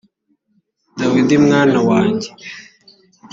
dawidi mwana wanjye